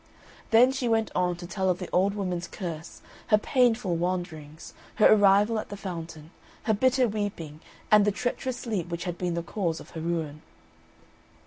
Then she went on to tell of the old woman's curse, her painful wanderings, her arrival at the fountain, her bitter weeping, and the treacherous sleep which had been the cause of her ruin.